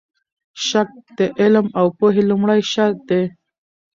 شک د علم او پوهې لومړی شرط دی.